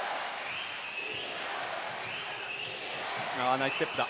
ナイスステップだ。